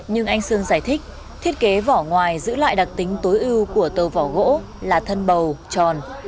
nhưng anh sương giải thích thiết kế vỏ ngoài giữ lại đặc tính tối ưu của tàu vỏ gỗ là thân bầu tròn